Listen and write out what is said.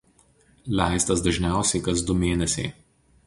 Leistas dažniausiai kas du mėnesiai.